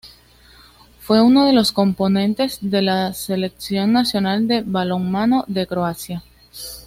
Fue uno de los componentes de la selección nacional de balonmano de Croacia.